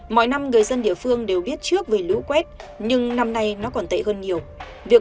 mọi năm người dân địa phương đều biết trước về lũ quét nhưng năm nay nó còn tệ hơn nhiều việc